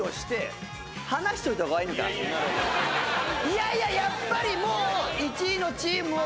いやいややっぱりもう。